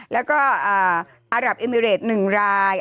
แล้วก็อารับเอมิเรต๑ราย